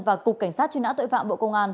và cục cảnh sát truy nã tội phạm bộ công an